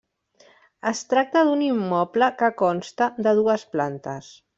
Es tracta d'un immoble que consta de dues plantes.